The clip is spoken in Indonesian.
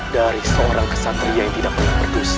dari seorang kesatria yang tidak pernah berdus